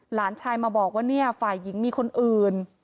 หลานชายมาบอกว่าเนี่ยฝ่ายหญิงมีคนอื่น